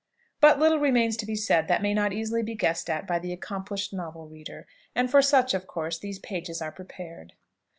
But little remains to be said that may not easily be guessed at by the accomplished novel reader: and for such, of course, these pages are prepared.